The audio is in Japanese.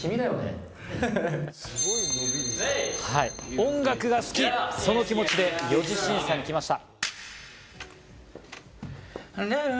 音楽が好き、その気持ちで４次審査に来ました。